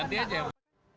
nanti aja ya pak